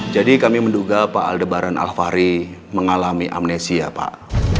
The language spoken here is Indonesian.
jadi kami menduga pak aldebaran alvari mengalami amnesia pak